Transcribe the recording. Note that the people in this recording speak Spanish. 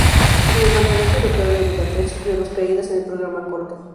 En el Campeonato Europeo de Budapest sufrió dos caídas en el programa corto.